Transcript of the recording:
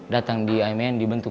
datang di amn dibentuk kampung